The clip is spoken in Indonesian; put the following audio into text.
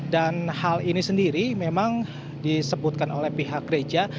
dan hal ini sendiri memang disebutkan oleh pihak gereja